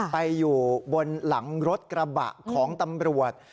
ไปอยู่บนหลังรถกระบะของตำรวจ